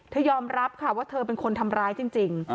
เธอยอบรับที่เธอเป็นคนทำไรจริง